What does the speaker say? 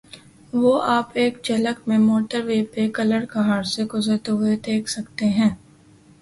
وہ آپ ایک جھلک میں موٹروے پہ کلرکہار سے گزرتے ہوئے دیکھ سکتے ہیں۔